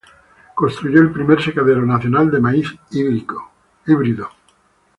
Construyó el primer secadero nacional de maíz híbrido.